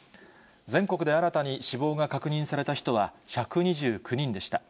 全国で新たに死亡が確認された人は、１２９人でした。